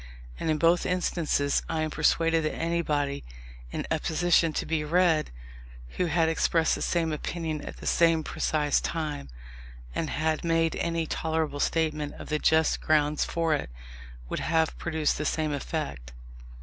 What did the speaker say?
And in both instances, I am persuaded that anybody, in a position to be read, who had expressed the same opinion at the same precise time, and had made any tolerable statement of the just grounds for it, would have produced the same effect.